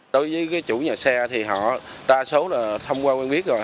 đối với chủ nhà xe thì họ đa số là thông qua quen biết rồi